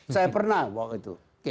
saya pernah waktu itu